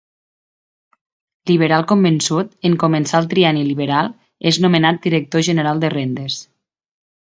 Liberal convençut, en començar el Trienni liberal, és nomenat director general de Rendes.